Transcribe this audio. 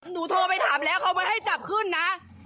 โทรไปถามแล้วเขาไม่ให้จับขึ้นนะ